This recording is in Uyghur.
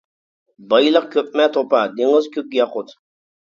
بايلىق كۆپمە توپا، دېڭىز كۆك ياقۇت.